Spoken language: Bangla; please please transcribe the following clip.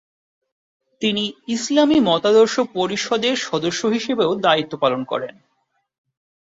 তিনি ইসলামী মতাদর্শ পরিষদের সদস্য হিসেবেও দায়িত্ব পালন করেন।